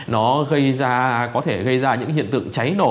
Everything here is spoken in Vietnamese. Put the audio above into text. nó có thể gây ra những hiện tượng cháy nổ